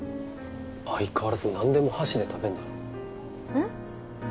相変わらず何でも箸で食べんだなうん？